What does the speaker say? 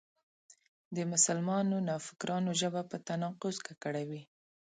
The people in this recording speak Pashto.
د مسلمانو نوفکرانو ژبه په تناقض ککړه وي.